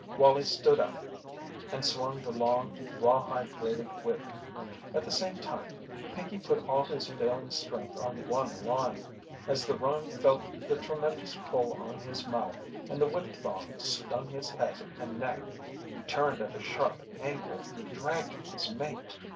Wallie stood up and swung the long rawhide braided whip. At the same time Pinkey put all his failing strength on one line. As the roan felt the tremendous pull on his mouth and the whip thongs stung his head and neck, he turned at a sharp angle, dragging his mate.